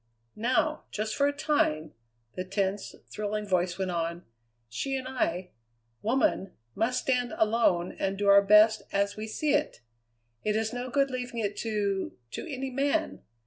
"Now, just for a time," the tense, thrilling voice went on, "she and I women must stand alone, and do our best as we see it. It is no good leaving it to to any man.